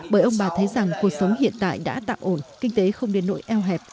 bởi ông bà thấy rằng cuộc sống hiện tại đã tạm ổn kinh tế không đến nỗi eo hẹp